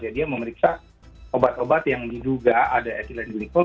jadi dia memeriksa obat obat yang diduga ada etilenglikol